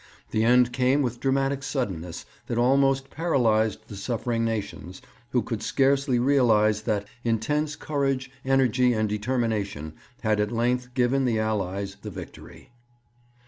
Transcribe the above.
The end came with dramatic suddenness that almost paralysed the suffering nations, who could scarcely realize that intense courage, energy, and determination had at length given the Allies the victory.